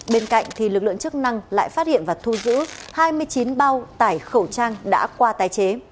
bên cạnh lực lượng chức năng lại phát hiện và thu giữ hai mươi chín bao tải khẩu trang đã qua tái chế